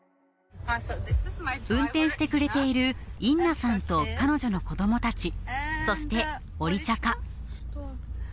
運転してくれているインナさんと彼女の子どもたち、そしてオリチャカ。